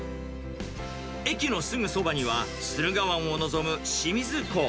駅のすぐそばには駿河湾を望む清水港。